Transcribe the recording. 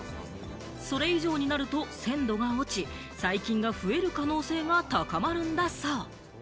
それ以上になると鮮度が落ち、細菌が増える可能性が高まるんだそう。